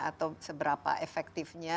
atau seberapa efektifnya